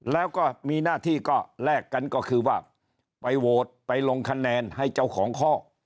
แล้วก็มีหน้าที่ก็แลกกันก็คือว่าไปโหวตไปลงคะแนนให้เจ้าของข้อ